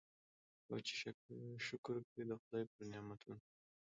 او چي شکر کړي د خدای پر نعمتونو